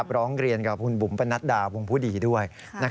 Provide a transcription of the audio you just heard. ร้องเรียนกับคุณบุ๋มปนัดดาวงผู้ดีด้วย